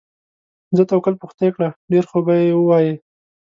ځه توکل په خدای کړه، ډېر خوبه یې ووایې.